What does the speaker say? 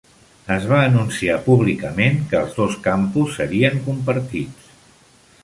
Es va anunciar públicament que els dos campus serien compartits.